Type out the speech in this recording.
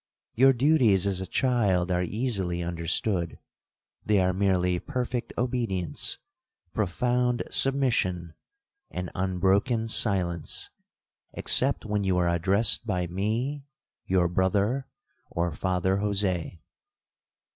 Your duties as a child are easily understood—they are merely perfect obedience, profound submission, and unbroken silence, except when you are addressed by me, your brother, or Father Jose.